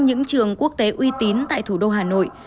những trường quốc tế uy tín tại thủ đô hà nội